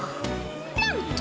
なんと！